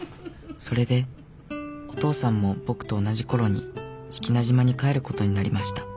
「それでお父さんも僕と同じころに志木那島に帰ることになりました。